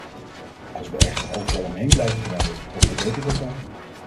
Als we echter overal omheen blijven draaien, wat betekent dat dan?